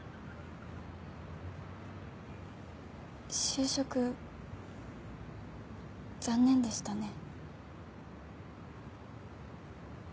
就職残念でしたね。